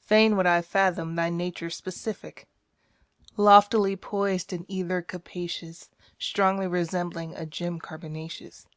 Fain would I fathom thy nature's specific Loftily poised in ether capacious. Strongly resembling a gem carbonaceous.